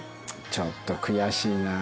ちょっと悔しいな。